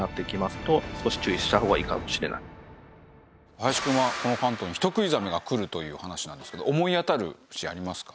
林くんはこの関東に人食いザメが来るという話なんですけど思い当たる節ありますか？